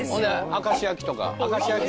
明石焼きとか。